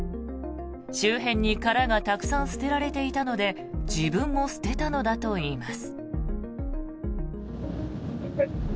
周辺に殻がたくさん捨てられていたので自分も捨てたのだと言います。